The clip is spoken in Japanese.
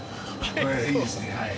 いいですねはい。